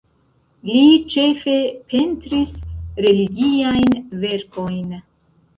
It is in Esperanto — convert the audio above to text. Li ĉefe pentris religiajn verkojn.